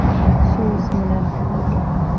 Соус менән